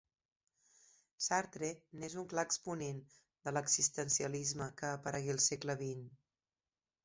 Sartre n'és un clar exponent, de l'existencialisme, que aparegué al segle vint.